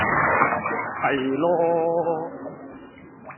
係囉